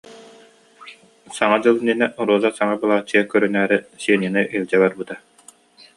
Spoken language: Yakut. Саҥа дьыл иннинэ Роза саҥа былааччыйа көрүнээри, Сеняны илдьэ барбыта